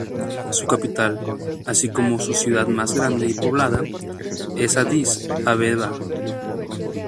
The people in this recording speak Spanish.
Su capital, así como su ciudad más grande y poblada, es Adís Abeba.